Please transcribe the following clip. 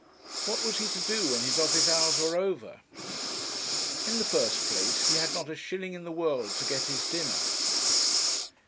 What was he to do when his office hours were over? In the first place he had not a shilling in the world to get his dinner.